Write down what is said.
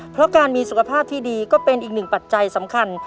เพราะการมีสุขภาพที่ดีก็เป็นอีกหนึ่งปัจจัยสำคัญ